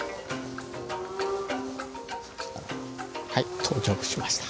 はい到着しました。